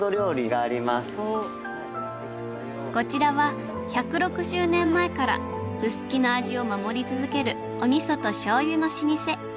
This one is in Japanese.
こちらは１６０年前から臼杵の味を守り続けるお味噌と醤油の老舗。